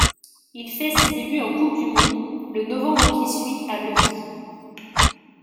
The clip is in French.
Il fait ses débuts en Coupe du monde, le novembre qui suit à Levi.